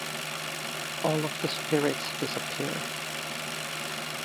All of the spirits disappear.